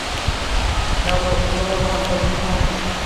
হে ভগবান, পরিপূর্ণ হাসি।